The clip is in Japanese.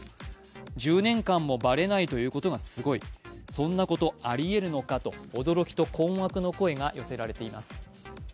１０年間もバレないということがすごい、そんなことありえるのかと、驚きと困惑の声が寄せられています。